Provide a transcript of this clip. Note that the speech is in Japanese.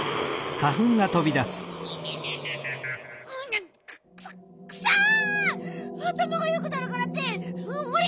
花くさい！